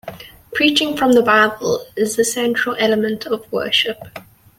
Preaching from the Bible is the central element of worship.